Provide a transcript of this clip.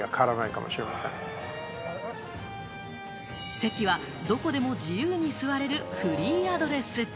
席は、どこでも自由に座れるフリーアドレス。